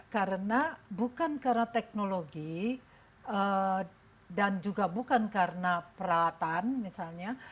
karena bukan karena teknologi dan juga bukan karena peralatan misalnya